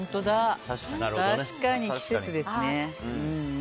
確かに季節ですね。